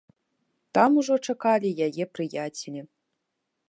Там ужо чакалі яе прыяцелі.